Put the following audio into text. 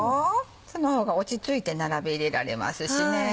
その方が落ち着いて並び入れられますしね。